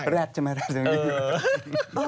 แรดจังไม่แรดสักเดี๋ยวเลย